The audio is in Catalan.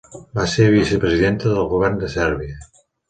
Va ser vicepresidenta del govern de Sèrbia.